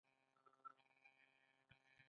د هغه مکتب پلونه پر دې ځمکه ګرځېدلي دي.